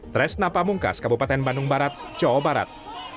tres napa mungkas kabupaten bandung barat jawa barat